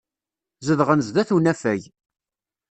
Zedɣen sdat unafag.